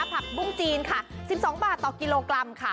ผักบุ้งจีนค่ะ๑๒บาทต่อกิโลกรัมค่ะ